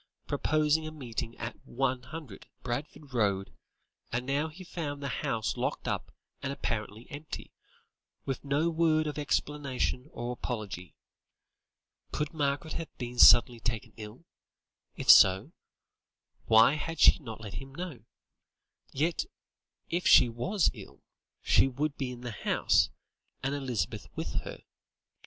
proposing a meeting at 100, Barford Road, and now he found the house locked up and apparently empty, with no word of explanation or apology. Could Margaret have been suddenly taken ill? If so, why had she not let him know? Yet, if she was ill, she would be in the house, and Elizabeth with her.